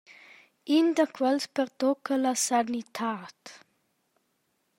In da quels pertucca la sanitad.